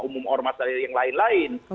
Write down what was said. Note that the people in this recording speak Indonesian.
umum ormas dari yang lain lain